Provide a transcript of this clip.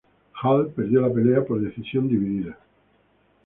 Hall perdió la pelea por decisión dividida.